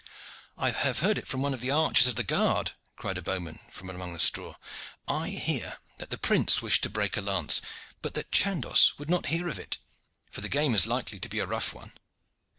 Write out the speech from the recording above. "I have heard of it from one of the archers of the guard," cried a bowman from among the straw; "I hear that the prince wished to break a lance, but that Chandos would not hear of it, for the game is likely to be a rough one."